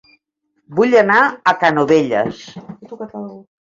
Vull anar a Canovelles